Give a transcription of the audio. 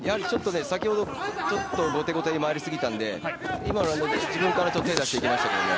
先ほどちょっと後手後手に回りすぎたんで今の自分から手を出していきましたけれども。